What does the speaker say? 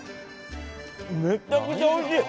めっちゃくちゃおいしい。